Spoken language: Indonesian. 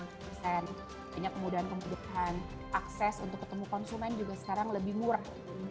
banyak kemudahan kebutuhan akses untuk ketemu konsumen juga sekarang lebih murah